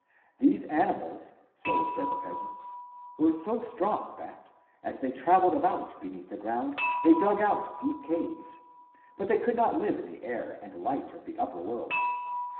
These animals, so said the peasants, were so strong that, as they traveled about beneath the ground, they dug out deep caves. But they could not live in the air and light of the upper world.